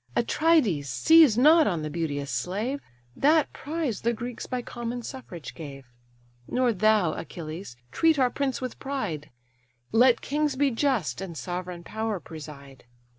Atrides, seize not on the beauteous slave; That prize the Greeks by common suffrage gave: Nor thou, Achilles, treat our prince with pride; Let kings be just, and sovereign power preside.